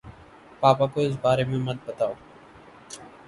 پاپا کو اِس بارے میں مت بتاؤ